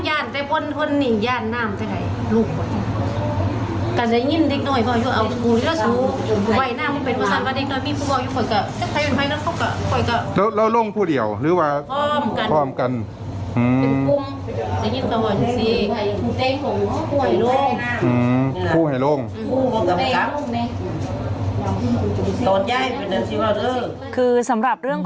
มันะเลิกจากพอตื่นต่อไปแล้วมันอยู่หลังกับลูก